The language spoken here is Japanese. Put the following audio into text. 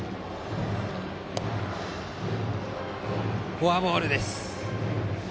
フォアボールです。